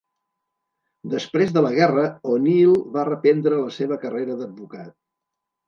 Després de la guerra, O'Neal va reprendre la seva carrera d'advocat.